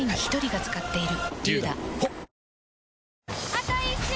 あと１周！